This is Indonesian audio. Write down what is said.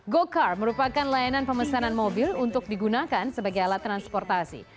go kart merupakan layanan pemesanan mobil untuk digunakan sebagai alat transportasi